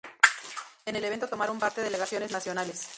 En el evento tomaron parte delegaciones nacionales.